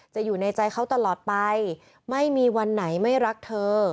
อยู่ในใจเขาตลอดไปไม่มีวันไหนไม่รักเธอ